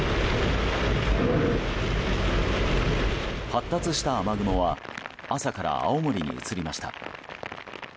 発達した雨雲は朝から青森に移りました。